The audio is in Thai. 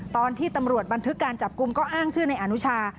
ตอนที่ตำรวจบันทึกการจับกลุ่มก็อ้างชื่อในอนุชา